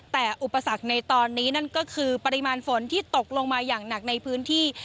แต่อุปสรรคในตอนนี้นั่นก็คือปริมาณฝนที่ตกลงมาอย่างหนักในพื้นที่